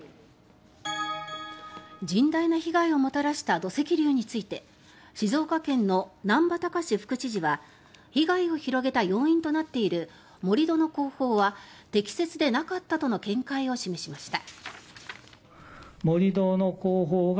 甚大な被害をもたらした土石流について静岡県の難波喬司副知事は被害を広げた要因となっている盛り土の工法は適切でなかったとの見解を示しました。